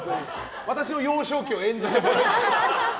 私の幼少期を演じてもらって。